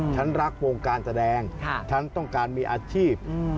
ฉันรักวงการแสดงฉันต้องการมีอาชีพ